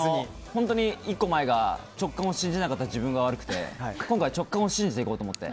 本当に１個前が直勘を信じなかった自分が悪くて今回は直感を信じていこうと思って。